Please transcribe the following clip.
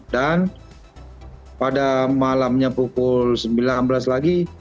dan pada malamnya pukul sembilan belas lagi